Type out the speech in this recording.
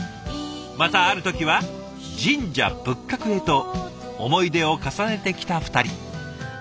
またある時は神社仏閣へと思い出を重ねてきた２人。